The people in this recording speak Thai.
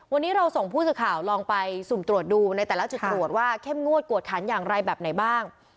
วันนี้เราส่งผู้สื่อข่าวลองไปสุ่มตรวจดูในแต่ละจุดตรวจว่าเข้มงวดกวดขันอย่างไรแบบไหนบ้าง